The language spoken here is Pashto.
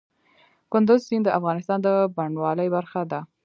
کندز سیند د افغانستان د بڼوالۍ برخه ده.